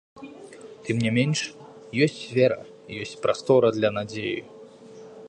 Тым не менш, ёсць вера, ёсць прастора для надзеі.